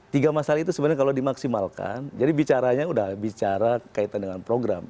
tiga masalah itu sebenarnya kalau dimaksimalkan jadi bicaranya udah bicara kaitan dengan program